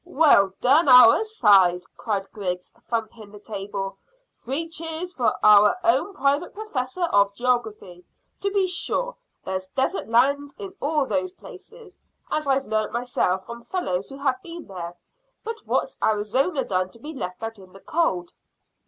"Well done, our side!" cried Griggs, thumping the table. "Three cheers for our own private professor of geography. To be sure, there's desert land in all those places, as I've learned myself from fellows who have been there. But what's Arizona done to be left out in the cold?"